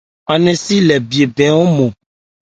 Án nɛn si lê bhye bɛn ɔ́nmɔn.